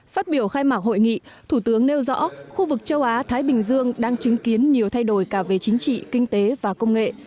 phát biểu khai mạc hội nghị thủ tướng nêu rõ khu vực châu á thái bình dương đang chứng kiến nhiều thay đổi cả về chính trị kinh tế và công nghệ